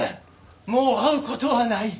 もう会う事はない」。